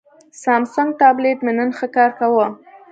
سامسنګ ټابلیټ مې نن ښه کار کاوه.